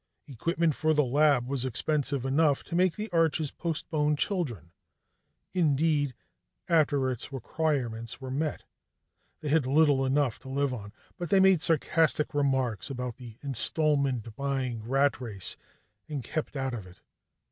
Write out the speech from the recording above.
Equipment for the lab was expensive enough to make the Arches postpone children; indeed, after its requirements were met, they had little enough to live on, but they made sarcastic remarks about the installment buying rat race and kept out of it.